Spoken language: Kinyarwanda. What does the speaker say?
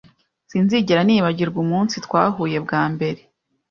Sinzigera nibagirwa umunsi twahuye bwa mbere.